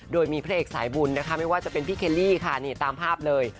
โดยมีพระเอกสายบุญนะคะไม่ว่าจะเป็นพี่เคลลี่ค่ะนี่ตามภาพเลย